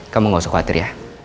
kamu gak usah khawatir ya